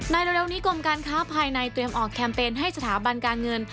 เร็วนี้กรมการค้าภายในเตรียมออกแคมเปญให้สถาบันการเงิน